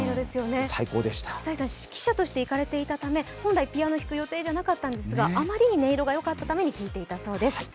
久石さん、指揮者として行かれていたため本来ピアノを弾く予定ではなかったそうですが、あまりに音色がよかったため弾いていたそうです。